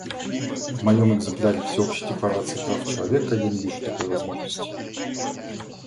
В моем экземпляре Всеобщей декларации прав человека я не вижу такой возможности.